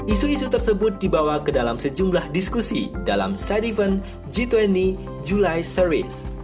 isu isu tersebut dibawa ke dalam sejumlah diskusi dalam side event g dua puluh julai series